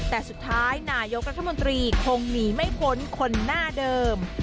แต่สุดท้ายนายกรัฐมนตรีคงหนีไม่พ้นคนหน้าเดิม